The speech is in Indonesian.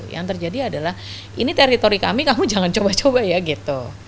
yang terjadi adalah ini teritori kami kamu jangan coba coba ya gitu